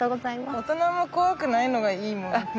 大人も怖くないのがいいもんね。